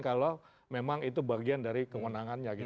kalau memang itu bagian dari kewenangannya gitu